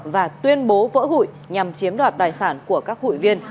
và tuyên bố vỡ hụi nhằm chiếm đoạt tài sản của các hụi viên